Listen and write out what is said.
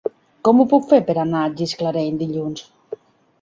Com ho puc fer per anar a Gisclareny dilluns?